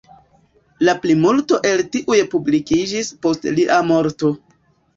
La plimulto el tiuj publikiĝis post lia morto.